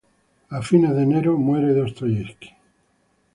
A finales de enero muere Dostoievski.